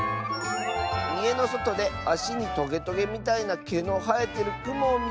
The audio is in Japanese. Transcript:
「いえのそとであしにトゲトゲみたいなけのはえてるクモをみつけた！」。